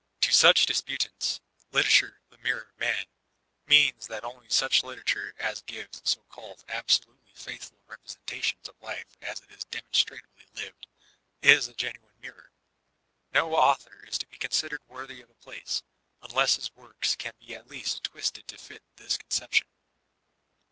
To such disputants "Literature the Mirror of Man," means that only such literature as gives so<alled absolutely faithful representations of life as it is demonstrably lived, is a genuine Mirror. No author is to be considered worthy of a place, unless hb works can be at least twisted to fit this conception.